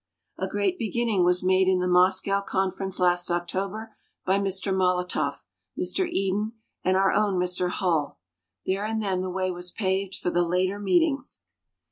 A great beginning was made in the Moscow conference last October by Mr. Molotov, Mr. Eden and our own Mr. Hull. There and then the way was paved for the later meetings.